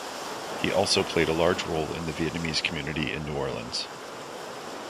He also played a large role in the Vietnamese community in New Orleans.